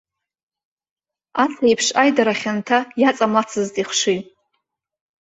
Ас еиԥш аидара хьанҭа иаҵамлацызт ихшыҩ.